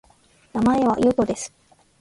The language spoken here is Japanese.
名前は、ゆうとです